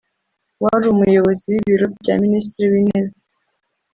wari Umuyobozi w’Ibiro bya Minisitiri w’Intebe